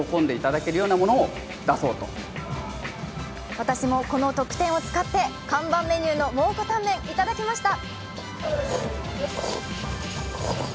私もこの特典を使って看板メニューの蒙古タンメン、いただきました。